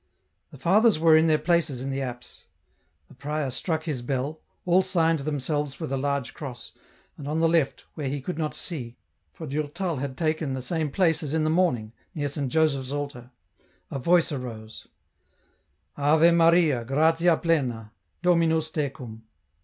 The fathers were in their places in the apse. The prior struck his bell, all signed themselves with a large cross, and on the left, where he could not see, for Durtal had taken the same place as in the morning, near Saint Joseph's altar, a voice arose :" Ave Maria, gratia plena, Dominus tecum."